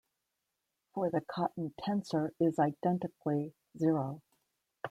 For the Cotton tensor is identically zero.